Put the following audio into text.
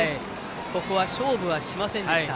ここは勝負しませんでした。